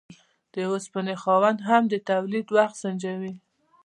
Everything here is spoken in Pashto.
د اوسپنې خاوند هم د تولید وخت سنجوي.